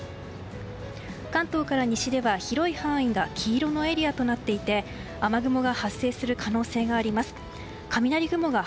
関東から西では広い範囲が黄色のエリアとなっていて雷雲が発生する可能性があります。